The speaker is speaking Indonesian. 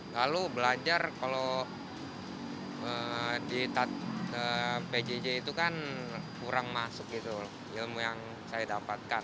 lalu belajar kalau di pjj itu kan kurang masuk gitu ilmu yang saya dapatkan